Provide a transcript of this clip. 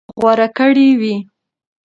غوره کړى وي.